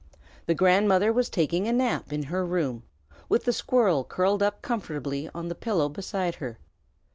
The grandmother was taking a nap in her room, with the squirrel curled up comfortably on the pillow beside her.